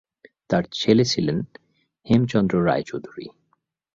তার ছেলে ছিলেন হেমচন্দ্র রায় চৌধুরী।